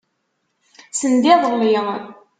Send iḍelli.